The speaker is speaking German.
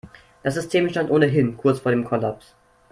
Das System stand ohnehin kurz vor dem Kollaps.